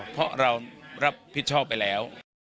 เพราะเรารับผิดชอบไปแล้ว